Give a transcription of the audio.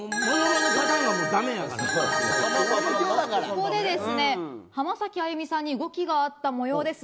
ここで浜崎あゆみさんに動きがあった模様です。